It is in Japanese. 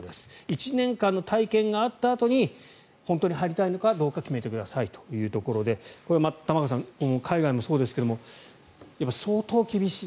１年間の体験があったあとに本当に入りたいのかどうか決めてくださいということでこれは玉川さん海外もそうですが相当厳しい。